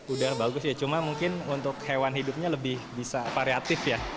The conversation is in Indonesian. udah bagus ya cuma mungkin untuk hewan hidupnya lebih bisa variatif ya